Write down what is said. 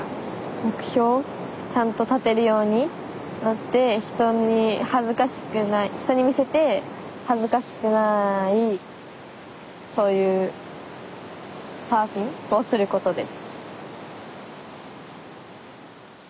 目標ちゃんと立てるようになって人に見せて恥ずかしくないそういうサーフィンをすることです。